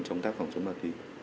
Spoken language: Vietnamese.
trong tác phòng chống ma túy